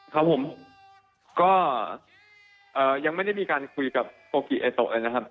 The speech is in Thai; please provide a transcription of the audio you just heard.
ครับผมก็ยังไม่ได้มีการคุยกับโอกิเอโตะเลยนะครับ